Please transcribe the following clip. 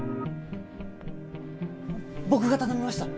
僕が頼みました。